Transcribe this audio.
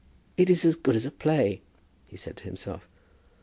"It's as good as a play," he said to himself.